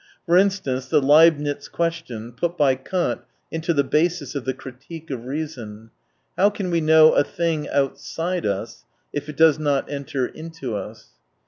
For instance the Leibnitz question, put by Kant into the basis of the critique of reason :" How can we know a thing outside us, if it does not enter into us